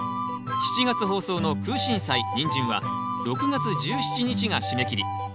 ７月放送のクウシンサイニンジンは６月１７日が締め切り。